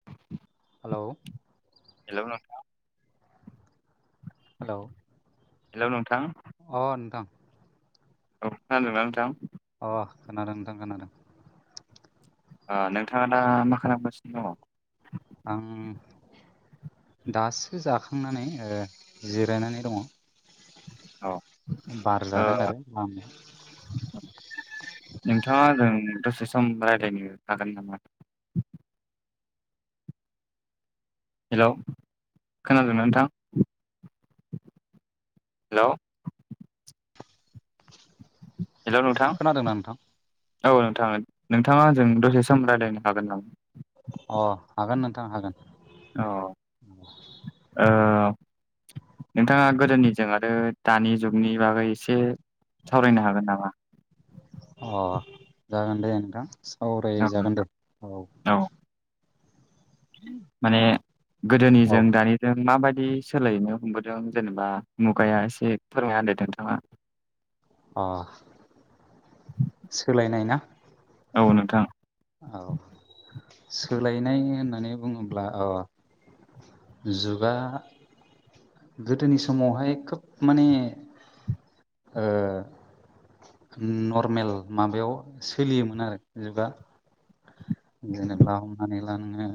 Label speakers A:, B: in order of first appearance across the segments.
A: [inaudible]
B: Hello
A: hello नोंथां
B: hello
A: hello नोंथां
B: अ नोंथां
A: औ खोनादोंना नोंथां
B: अ खोनादों नोंथां खोनादों
A: अ नोंथाङा दा मा खालामगासिनो दङ
B: आं दासो जाखांनानै जिरायनानै दङ
A: औ
B: बार
A: ओ
B: जादों आरो लामा
A: नोंथाङा ओजों दसे सम रायलायनो हागोन नामा हेलौ खोनादोंमोन नोंथां हेल' हेल' नोंथां
B: खोनादोंना नोंथां
A: औ नोंथां नोंथाङा जों दसे सम रायज्लायनो हागोन नामा
B: अ हागोन नोंथां हागोन
A: अ ओ नोंथाङा गोदोनिजों आरो दानि जुगनि बागै एसे सावरायनो हागोन नामा
B: अ जागोन दे नोंथां सावराय
A: औ
B: जागोन दे औ [inaudible]
A: माने
B: औ
A: गोदोनिजों दानिजों माबायदि सोलायहनो हमबोदों जेनेबा मुगाया एसे फोरमायना होदो‌ दे नोंथाङा
B: अ सोलायनाय ना
A: औ नोंथां
B: औ सोलायनाय होननानै बुङोब्ला अ जुगा गोदोनि समावहाय खोब माने ओ नर्मेल माबायाव सोलियोमोन आरो एबा जेनेा हमनानै ला नोङो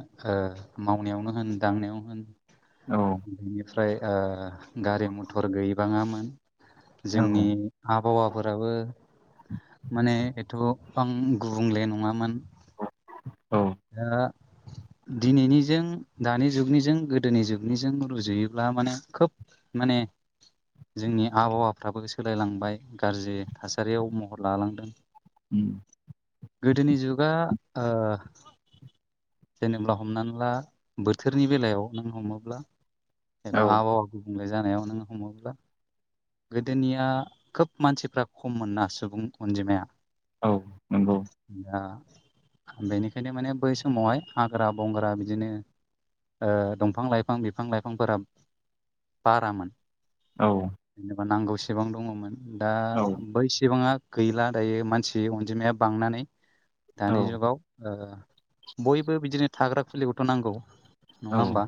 B: मावनायावनो होन दांनायावनो होन
A: औ
B: बेनिफ्राय ओ गारि मथर गैबाङामोन जोंनि
A: औ
B: आबहावाफोराबो माने एथ'बां गुबुंले नङामोन।
A: औ
B: दा दिनैनिजों दानि जुगनिजों गोदोनि जुगनिजों रुजुयोब्ला माने खोब माने जोंनि आबहावाफ्राबो सोलायलांबाय गाज्रि थासारियाव महर लालांदों
A: उम
B: गोदोनि जुगा ओ जेनेबा हमनानै ला बोथोरनि बेलायाव नों हमोब्ला एबा
A: औ
B: आबहावा गुबुंले जानायावनो हमोब्ला गोदोनिया खोब मानसिफ्रा खममोना सुबुं अनजिमाया
A: औ नंगौ
B: दा बेनिखायनो माने बै समावहाय हाग्रा बंग्रा बिदिनो ओ दंफां लाइफां बिफां लाइफांफोरा बारामोन
A: औ
B: जेनेबा नांगौसेबां दङमोन दा
A: औ
B: बैसेबाङा गैला दायो मानसि अनजिमाया बांनानै
A: औ
B: दानि जुगाव बयबो बिदिनो थाग्रा खुलिखौथ' नांगौ। नङा
A: औ
B: होमबा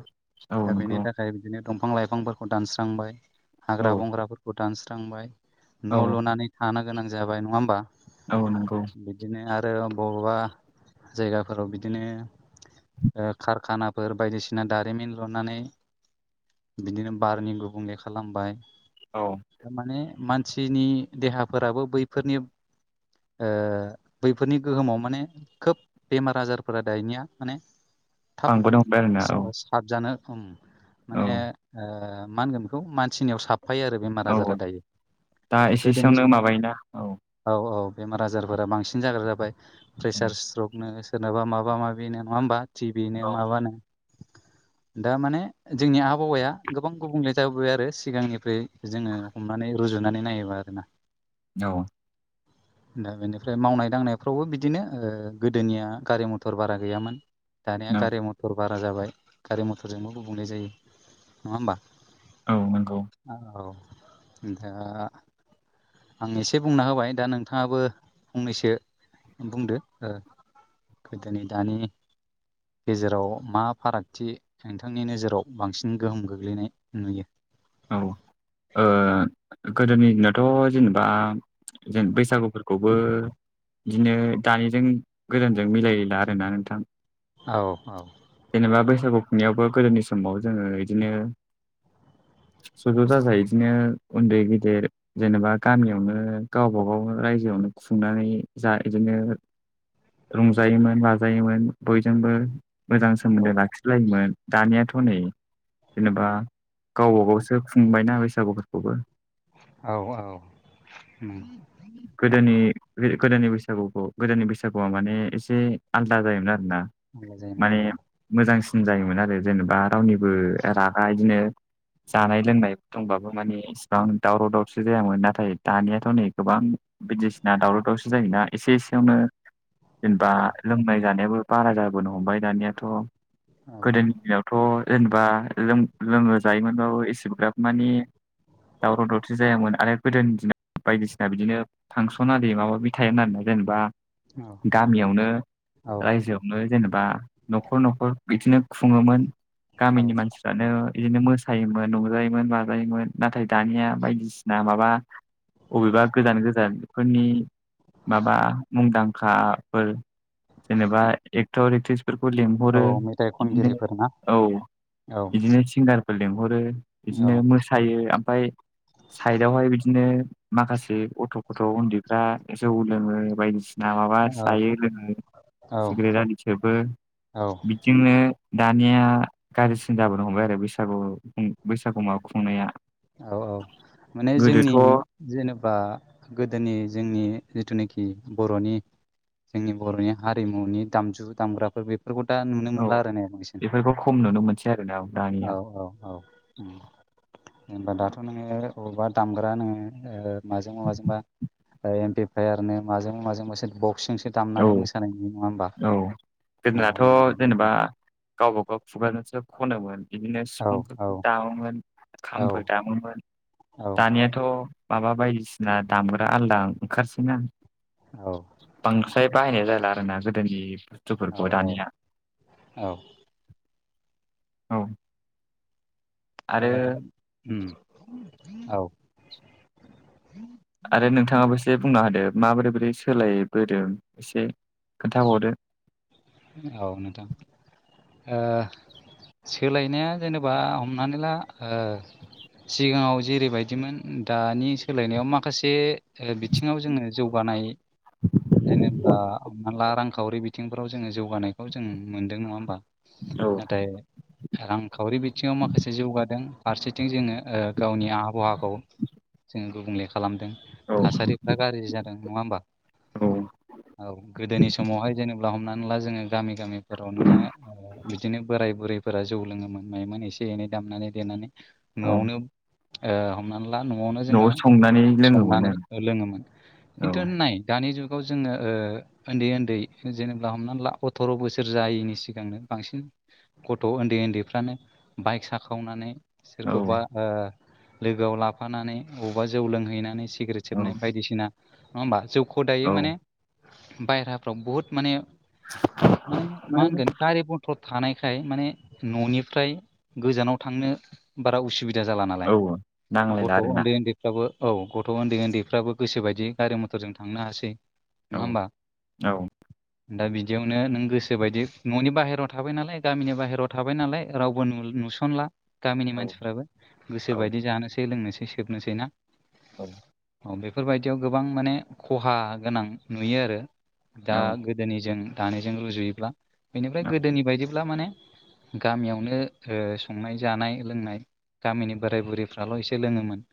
A: औ
B: दा बेनि
A: नंगौ
B: थाख खाय बिदिनो दंफां लाइफांफोरखौ दानस्रांबाय
A: औ
B: हाग्रा बंग्राफोरखौ दानस्रांबाय
A: औ
B: न' लुनानै थानो गोनां जाबाय नङा होमबा।
A: औ नंगौ।
B: बिदिनो आरो बबावबा जायगाफोराव बिदिनो ओ कारखानाफोर बायदिसिना दारिमिन लुनानै बिदिनो बारनि गुबुंले खालामबाय।
A: औ
B: थारमाने मानसिनि देहाफोराबो बैफोरनि ओ बैफोरनि गोहोमाव माने खोब बेमार आजारफोरा दानिया माने थाब
A: आंबोनो हमबाय आरोना औ
B: सा-साबजानो
A: औ
B: माने ओ मा होनगोन बेखौ मानसिनियाव साबफायो आरो। बेमार आजारा
A: औ
B: दायो
A: दा
B: गोदोनि
A: एसेसोआवनो
B: समाव
A: माबायोना औ
B: औ औ बेमार आजारफोरा बांसिन जाग्रा जाबाय
A: औ
B: प्रेसार स्ट्रक नो सोरनाबा माबा माबिनो नङा होमबा टिभिनो
A: औ
B: माबानो
A: [inaudible]
B: दा माने जोंनि आबहावाया गोबां गुबुंले जाबोबाय आरो सिगांनिफ्राय जोङो हमनानै रुजुनानै नायोबा आरो ना।
A: औ।
B: दा बेनिफ्राय मावनाय दांनायफ्रावबो बिदिनो ओ गोदोनिया गारि मथर बारा गैयामोन दानिया
A: नों
B: गारि मथ मथर बारा जाबाय गारि मथरजोंबो गुबुंले जायो नङा होमबा।
A: औ नंगौ।
B: औ नोंथाङा आं एसे बुंना होबाय दा नोंथाङाबो फंनैसो बुंदो। ओ गोदोनि दानि गेजेराव मा फारागथि नोंथांनि नोजोराव बांसिन गोहोम गोग्लैनाय नुयो?
A: औ ओ गोदोनि दिनावथ' जेनेबा जों बैसागुफोरखौबो बिदिनो दानिजों गोजामजों मिलायला दोना नोंथां
B: औ औ
A: जेनेबा बैसागु खुंनायावबो गोदोनि समाव जोङो इदिनो ज'-ज' जा-जाय इदिनो उन्दै गेदेर जेनेबा गामियावनो गावबा गाव रायजोआवनो खुंनानै जा इदिनो रंजायोमोन बाजायोमोन बयजोंबो मोजां
B: औ
A: सोमोन्दो ला जाखिलायोमोन दानियाथ' नै जेनेबा गावबागावसो खुंबायना बैसागुफोरखौबो।
B: औ औ नंग
A: गोदोनि गो-गोदोनि बैसागुखौ गोदोनि बैसागुआ माने एसे आलदा जायोमोन आरोना।
B: मोजायोमोन
A: माने
B: औ
A: मोजांसिन जायोमोन आरो जेनेबा रावनिबो रागा इदिनो जानाय लोंनाय दंबाबो मानि इसिबां दावराव- दावसि जायामोन नाथाय दानियाथ' नै गोबां बायदिसिना दावराव दावसि जायोना एसे एसेयावनो जेनेबा
B: औ
A: लोंनाय जानायाबो बारा जाबोनो हमबाय दानियाथ' गोदोनि दिनाव थ' जेनेबा लोङो जायोमोनबाबो एसेग्राब मानि दावराव- दावसि जायामोन आरो गोदोनि दिनाव बायदिसिना दा बिदिनो फांसन आरि माबााबि थायामोन आरोना जेनेबा
B: औ
A: गामियावनो
B: औ
A: रायजोआव नो जेनेबा न'खर न'खर बिदिनो खुङोमोन
B: औ
A: गामिनि मानसि फ्रानो इदिनो मोसायोमोन रंजायोमोन माजायोमोन। नाथाय दानिया बायदिसिना माबा अबेबा गोजान गोजानफोरनि माबा मुंदांखाफोर जेनेबा एतर एकत्रिस फोरखौ
B: औ
A: लेंहरो
B: मेथाइ
A: बिदिनो
B: खनगिरिफोर ना
A: औ
B: औ
A: बिदिनो सिंगार फोर लिंहरो
B: औ
A: बिदिनो मोसायो ओमफफ्राय साइदावहाय बिदिनो माखासे बि गथ' गथ' उन्दैफ्रा जौ लोङो बायदिसिना ना माबा
B: औ
A: जायो लोङो
B: औ
A: सिग्रेट आलि सोबो
B: औ
A: जोंनो दानिया गाज्रिसिन जाबोनो हमबाय आरो बैसागु बैसागु माबा खुंनाया
B: औ औ माने
A: गोदोथ'
B: जोंनि जेनेबा गोदोनि जोंनि जिथुनाखि बर'नि जोंनि बर'नि हारिमुनि दामजु दामग्राफोर बे फोरफोरखौ दा नुनो
A: औ
B: मोनला आरो ने बांसिन
A: बेफोरखौ खम नुनो मोनसै आरोना दानिया
B: औ औ औ जेनबा दाथ' नोङो बबावबा दामग्रा नोङो माजोंबा माजोंबा एमपिफाययारनो माजों माजों मसे बक्सिं सो
A: औ
B: दामनानै मोसानाय नुनाय नङा होमबा
A: औ
B: औ
A: गावबागाव खुगाजोंसो खनोमोन। बिदिनो
B: औ औ
A: सिफुंफोरखौ दामोमोन
B: औ
A: खामफोर दामोमोन
B: औ
A: दानियाथ' माबा बायदिसिना दामग्रा आलादा ओंखारसै ना
B: औ
A: बांद्राय बाहायनाय जाला आरोना गोदोनि
B: औ
A: बुस्थुफोरखौ दानिया
B: औ ओ
A: औ आरो
B: औ
A: आरो नोंथाङाबो एसे बुंना होदो माबोरै बोरै सोलायबोदों एसे खोन्थाहरो
B: औ नोंथां। सोलायनाया जेनेबा हमनानै ला सिगाङाव जेरैबायदिमोन दानि सोलायनायाव माखासे बिथिङाव जोङो जौगानाय जेनेब्ला हम ला रांखावरि बिदि बिथिंफ्राव जोङो जौगानायखौ जों मोनदों नङा हबा
A: औ
B: नाथाय रांखावरि बिथिङाव माखासे जौगादों फारसेथिं जोङो गावनि आहाबावाखौ जोङो गुबुंले खालामदों।
A: औ
B: थासारिफ्रा गाज्रि जादों नङा हबा
A: औ
B: औ गोदोनि समावहाय जेनेबा हमनानै ला जोङो गामि गामिफोराव नोङो बिदिनो बोराय बुरै फोरा जौ लोङोमोन मायोममोन एसे एनै दामनानै देनानै
A: औ
B: न'आवनो ओ हमनानै ला न'आवनो
A: न'आव
B: जोङो
A: संनानै लोङोमोन
B: संनानै लोङोमोन खिन्थु
A: ओं
B: नाय दानि जुगाव जोङो उन्दै उन्दै जेनेबा हमना ला अथ्र' बोसोर जायैनि सिगांनो बांसिन गथ' उन्दै उन्दैफ्रानो बाइक साखावनानै
A: औ
B: सोरखौबा ओ लोगोआव लाफानानै बबावबा जौ लोंहैनानै सिग्रेट
A: औ
B: सेोबनाय बायदिसिना नङा होमबा जौखौ
A: औ
B: दायो माने बायेराफ्राव बुहुद माने माने मा होनगोन फाव थानायखाय माने न'निफ्राय गोजानाव थांनो बारा उसुबिदा जाला नालाय
A: औ नांलायला
B: गथ'
A: आरोना
B: उन्दै उन्दै फ्राबो औ गथ' उन्दै उन्दैफ्राबो गोसोबायदि गारि मथरजों थांनो हासै
A: औ
B: नङा होमबा
A: औ
B: दा बिदियावनो नों गोसोबायदि न'नि बाहेरायाव थाबाय नालाय गामिनि बाहेरायाव थाबाय नालाय रावबो नुसो सनला गामिनि
A: औ
B: मानसिफ्राबो
A: औ
B: गोसोबायदि जानोसै लोंनोसै सोबनोसै ना
A: औ
B: औ बेफोरबायदियाव गोबां माने खहा गोनां नुयो आरो दा
A: औ
B: गो दोनिजों दानायजों रुजुयोब्ला बेनिफ्राय गोदोनि बायदिब्ला माने गामियावनो संनाय जानाय लोंनाय गामिनि बोराय बुरैफ्राल' एसे लोङोमोन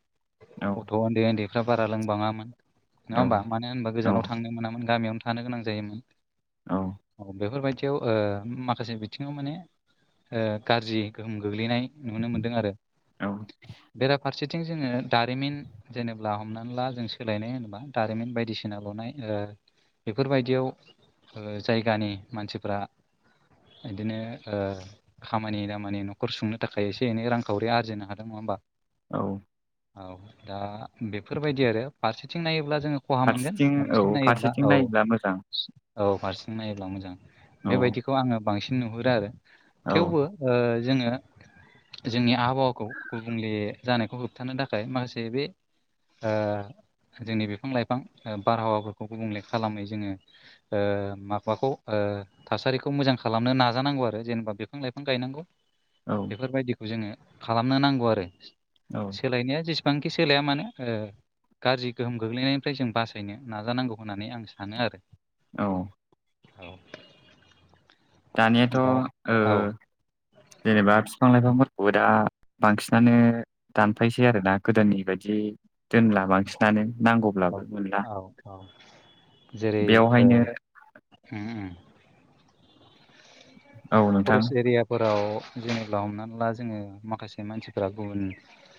B: गथ' उन्दै उन्दैफ्रा बारा लोंबाङामोन नङा होमबा मानो होनबा
A: औ
B: गोजानाव थांनो मोनामोन गामियावनो थानो गोनां जायोमोन औ बेफोरबायदियाव माखासे बिथिङाव माने गाज्रि गोहोम गोग्लैनाय नुनो मोनदों आरो
A: औ
B: बेराफारसे थिं जोङो दारिमिन जेनेब्ला हमनानै ला जों सोलायनाय होनोबा दारिमिन बायदिसिना लुनाय बेफोरबायदियाव जायगानि मानसिफोरा बिदिनो खामानि दामानि न'खर सुंनो थाखाय एसे एनै रांखावरि आरजिनो हादों नङा होमबा
A: औ
B: औ दा बेफोरबायदि आरो फारसेथिं नायोब्ला जोङो खहा मोनगोन
A: फारसेथिं औ
B: फार्सेथिं नायोब्ला
A: फारसेथिं
B: औ
A: नायोब्ला मोजां
B: औ हारसिं नायोब्ला मोजां
A: औ
B: बेबायदिखौ आङो बांसिन नुहुरो आरो
A: औ
B: थेवबो जोङो जोंनि आबहावाखौ गुबुंले जानायखौ होबथानो थाखाय माखासे बे जोंनि बिफां लाइफां बारहावाफोरखौ गुबुंले खालामै जोङो माबाखौ थासारिखौ मोजां खालामनो नाजानांगौ आरो जेनेबा बिफां लाइफां गायनांगौ
A: औ
B: बायदिखौ जोङो खालामनो नांगौ आरो
A: औ
B: सोलायनाया जेसेबांखि सोलाया मानो गाज्रि गोहोम गोग्लैनायनिफ्राय जों बासायनो नाजानांगौ होननानै आं सानो आरो
A: औ
B: औ
A: दानियाथ'
B: दा औ
A: जेनेबा बिफां लाइफांफोरखौबो दा बांसिनानो दानफायसै आरोना गोदोनि बायदि दोनला बांसिन दानो
B: औ
A: नांगौब्लाबो मोनला
B: औ औ जेरै ओ
A: बेवहायनो
B: [unintelligible]
A: औ नोंथां
B: फरेस्ट एरियाफोराव जेनेब्ला हमनानै ला जोङो माखासे मानसिफ्रा गुबुन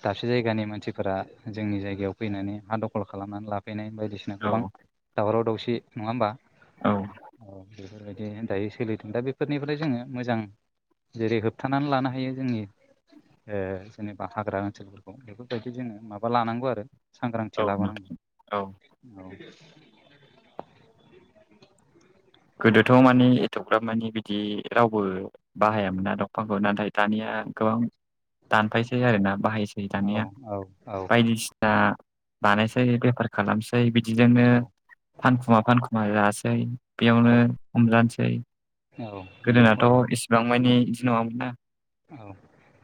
B: दाबसे जायगानि मानसिफोरा जोंनि जायगायाव फैनानै हा दखल खालामनानै लाफैनाय बायदिसिना
A: औ
B: गोबां दावराव दावसि नङा होमबा
A: औ
B: औ बेफोरबायदि दायो सोलिदों दा बेफोरनिफ्राय जोङो मोजां जेरै होबथानानै लानो हायो जोंनि जेनेबा हाग्रा ओनसोलफोरखौ बेफोरबायदि जोङो माबा लानांगौ आरो
A: औ
B: सांग्रांथि
A: नोंथां औ
B: लाबोनांगौ औ
A: गोदोथ' माने एथ'ग्राब माने बिदि रावबो बाहायामोना दंफांखौ नाथाय दानिया गोबां दानफायसै आरोना बाहायसै
B: औ
A: दाना
B: औ औ
A: बायदिसिना दा बानायसै बेफार खालामसै बिदिजोंनो
B: औ
A: फानखुमा फानखुमा जासै
B: औ
A: बेयावनो हमजानोसै
B: औ नंगौ औ
A: गोदोनाथ' एसेबां मानि बिदि नङामोन ना
B: औ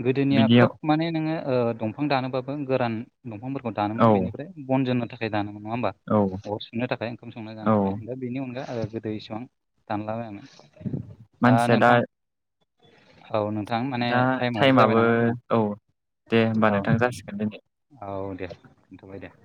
B: गोदोनिया
A: बिदियाव
B: खोब माने नोङो दंफां दानोबाबो गोरान दंफांफोरखौ
A: औ
B: दानोमोन बेनिफ्राय बन जानो थाखाय दामोमोन नङा होमबा
A: औ
B: अर संनो थाखाय ओंखाम संनानै
A: औ
B: दानो थाखाय बेनि अनगायै आरो गोदै इसेबां दानलाबायामोन दा नोंथां औ नोंथां माने
A: दा
B: टाइमआबो जाबाय
A: टाइमाबो
B: नामा जोंना
A: औ दे होमबा
B: औ
A: नोंथां जासिगोन दिनै
B: नोंथां औ दे दोनथ'बाय दे